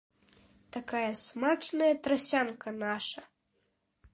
Такая смачная трасянка, наша!